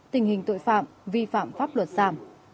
tình hình tội phạm vi phạm pháp luật giảm